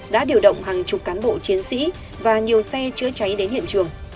đã điều động hàng chục cán bộ chiến sĩ và nhiều xe chữa cháy đến hiện trường